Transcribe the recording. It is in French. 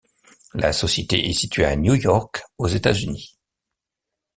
La société est située à New York aux États-Unis.